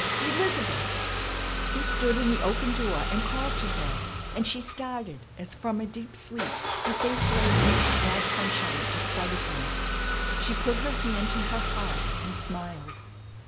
"Elizabeth!" He stood in the open door and called to her; and she started as from a deep sleep, her face blazing into glad sunshine at sight of him. She put her hand to her heart, and smiled.